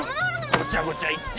ごちゃごちゃ言ってねえで。